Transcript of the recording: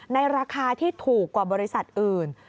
ในราคาที่ถูกกว่าบริษัทอื่น